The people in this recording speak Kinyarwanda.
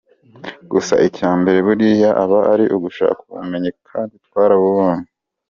Gusa icya mbere buriya aba ari ugushaka ubumenyi kandi twarabubonye.